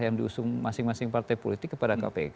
yang diusung masing masing partai politik kepada kpk